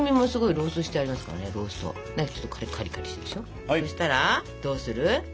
そしたらどうする？